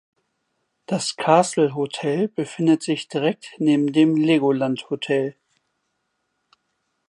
Das Castle Hotel befindet sich direkt neben dem Legoland Hotel.